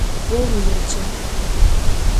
Vo vuêce.